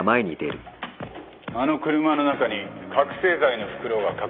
あの車の中に覚醒剤の袋が隠してある。